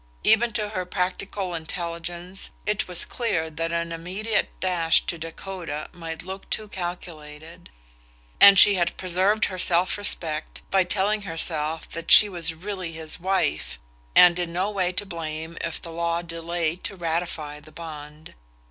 Even to her practical intelligence it was clear that an immediate dash to Dakota might look too calculated; and she had preserved her self respect by telling herself that she was really his wife, and in no way to blame if the law delayed to ratify the bond.